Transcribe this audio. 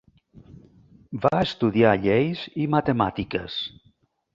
Va estudiar lleis i matemàtiques.